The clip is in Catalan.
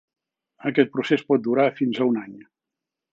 Aquest procés por durar fins a un any.